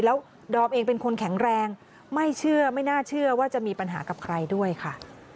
แล้วดอมเองเป็นคนแข็งแรงไม่เชื่อไม่น่าเชื่อว่าจะมีปัญหากับใครด้วยค่ะ